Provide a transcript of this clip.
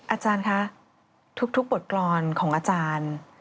อาจารย์คะทุกบทกรรมของอาจารย์